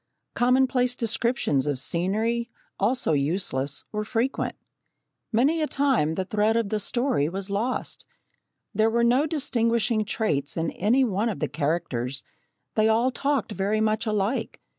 Commonplace descriptions of scenery, also useless, were frequent. Many a time the thread of the story was lost. There were no distinguishing traits in any one of the characters they all talked very much alike.